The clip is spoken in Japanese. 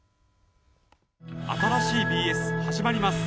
新しいＢＳ、始まります。